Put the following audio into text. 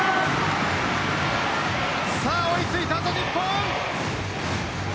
さあ追いついたぞ日本。